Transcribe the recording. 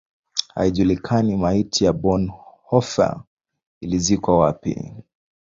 Haijulikani maiti ya Bonhoeffer ilizikwa wapi.